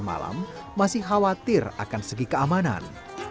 malam masih khawatir akan segi keamanan